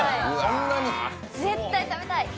絶対食べたい！